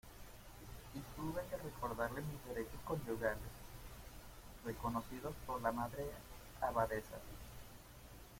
y tuve que recordarle mis derechos conyugales, reconocidos por la Madre Abadesa.